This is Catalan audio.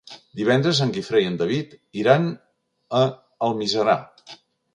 Divendres en Guifré i en David iran a Almiserà.